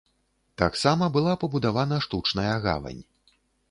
Таксама была пабудавана штучная гавань.